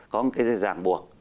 có cái dàng buộc